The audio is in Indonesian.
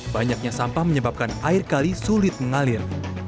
banyaknya sampah menyebabkan air kali sulit mengalir